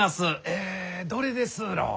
えどれですろう？